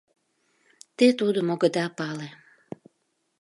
— Те тудым огыда пале.